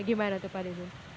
gimana itu pak didi